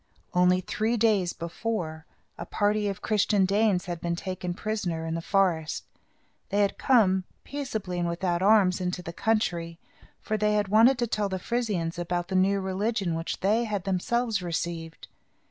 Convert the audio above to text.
Only three days before, a party of Christian Danes had been taken prisoners in the forest. They had come, peaceably and without arms, into the country; for they wanted to tell the Frisians about the new religion, which they had themselves received.